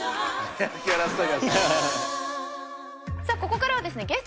さあここからはですね